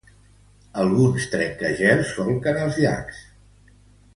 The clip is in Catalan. Alguns trencagels solquen els llacs.